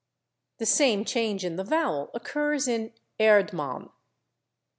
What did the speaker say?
The same change in the vowel occurs in /Erdmann